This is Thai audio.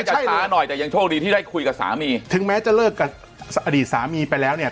จะช้าหน่อยแต่ยังโชคดีที่ได้คุยกับสามีถึงแม้จะเลิกกับอดีตสามีไปแล้วเนี่ย